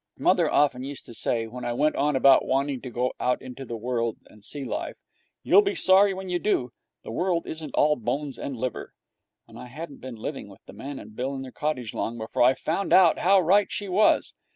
Mother often used to say, when I went on about wanting to go out into the world and see life, 'You'll be sorry when you do. The world isn't all bones and liver.' And I hadn't been living with the man and Bill in their cottage long before I found out how right she was.